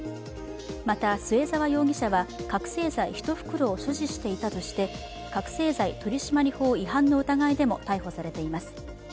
また、末澤容疑者は覚醒剤１袋を所持していたとして覚醒剤取締法違反の疑いでも逮捕されています。